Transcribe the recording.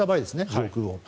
上空を。